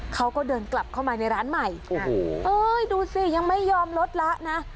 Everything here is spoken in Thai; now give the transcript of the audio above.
เขาก็เดินกลับเข้ามาในร้านใหม่โอ้โหเอ้ยดูสิยังไม่ยอมลดละนะ